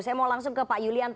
saya mau langsung ke pak yulianto